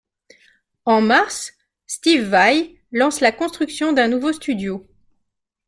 En mars, Steve Vai lance la construction d'un nouveau studio.